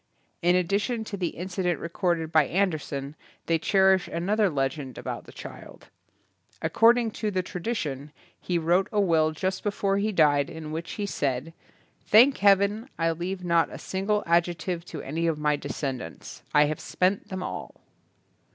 In addition to the incident recorded by Andersen they cherish an other legend about the child. Accord ing to the tradition, he wrote a will just before he died in which he said, "Thank heaven I leave not a single ad jective to any of my descendants. I have spent them all."